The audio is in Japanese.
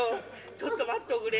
ちょっと待っておくれ。